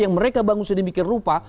yang mereka bangun sedemikian rupa